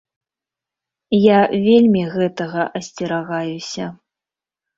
Я вельмі гэтага асцерагаюся.